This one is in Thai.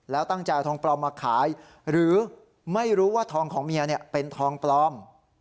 แล้วตั้งใจเอาทองปลอมมาขายหรือไม่รู้ว่าทองของเมียเป็นทองปลอม